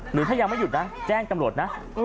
หรือถ้ายังไม่หยุดนะแจ้งตำรวจนะ